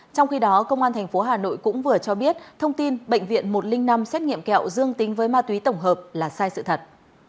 trong khi đó công an tp hà nội cũng vừa cho biết thông tin bệnh viện một trăm linh năm xét nghiệm kẹo dương tính với ma túy tổng hợp là sai sự thật